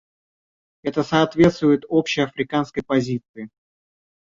Это соответствует общей африканской позиции.